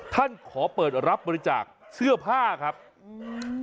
ขอเปิดรับบริจาคเสื้อผ้าครับอืม